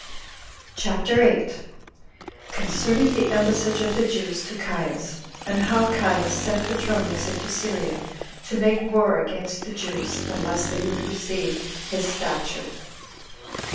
CHAPTER 8. Concerning The Embassage Of The Jews To Caius; 28 And How Caius Sent Petronius Into Syria To Make War Against The Jews, Unless They Would Receive His Statue.